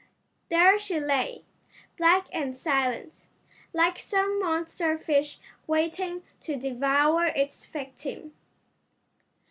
There she lay, black and silent, like some monster fish waiting to devour its victim.